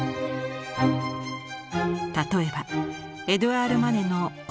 例えばエドゥアール・マネのこの作品。